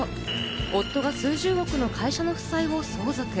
夫が数十億の会社の負債を相続。